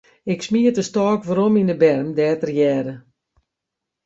Ik smiet de stôk werom yn 'e berm, dêr't er hearde.